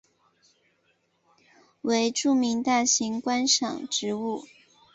为著名大型观赏植物。